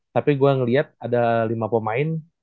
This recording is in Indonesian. tapi gue ngeliat ada lima pemain